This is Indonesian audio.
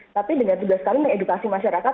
tapi dengan tugas kami mengedukasi masyarakat